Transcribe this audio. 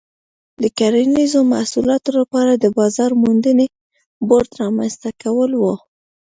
د کرنیزو محصولاتو لپاره د بازار موندنې بورډ رامنځته کول و.